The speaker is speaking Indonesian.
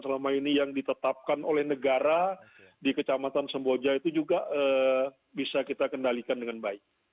selama ini yang ditetapkan oleh negara di kecamatan semboja itu juga bisa kita kendalikan dengan baik